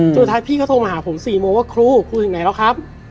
สุดท้ายพี่ก็โทรมาหาผม๔โมงว่าครูครูถึงไหนแล้วครับ